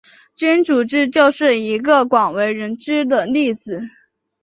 君主制就是一个广为人知的例子。